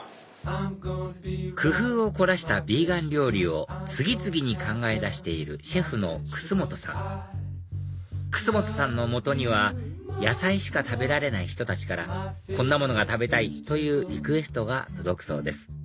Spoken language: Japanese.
工夫を凝らしたビーガン料理を次々に考え出しているシェフの楠本さん楠本さんの元には野菜しか食べられない人たちからこんなものが食べたいというリクエストが届くそうです